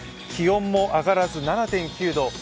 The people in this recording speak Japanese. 気温も上がらず、７．９度。